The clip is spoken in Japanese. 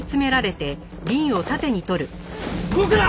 動くな！